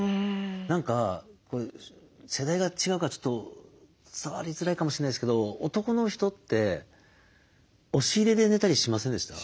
何か世代が違うからちょっと伝わりづらいかもしれないですけど男の人って押し入れで寝たりしませんでした？